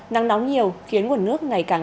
nắng nóng nhiều khiến nguồn nước ngày càng